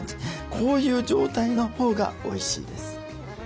こういう状態のほうがおいしいです。